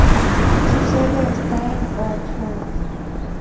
Su sede está en Oakland.